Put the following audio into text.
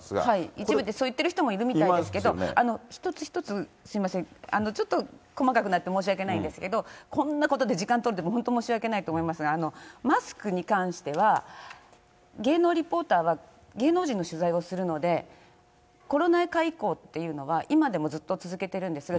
一部でそう言ってる人もいるみたいですけど、一つ一つすみません、ちょっと細かくなって申し訳ないんですけど、こんなことで時間を取ることは本当申し訳ないと思いますが、マスクに関しては、芸能リポーターは、芸能人の取材をするので、コロナ禍以降っていうのは、今でもずっと続けてるんですよ。